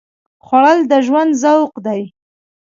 خوړل د ژوند ذوق دی